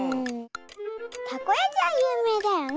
たこやきはゆうめいだよね！